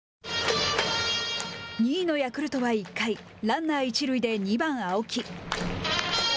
２位のヤクルトは１回ランナー一塁で２番青木。